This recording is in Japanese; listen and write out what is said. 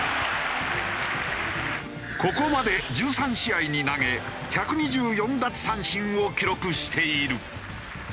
ここまで１３試合に投げ１２４奪三振を記録している。